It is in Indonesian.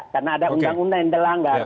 karena ada undang undang yang dilanggar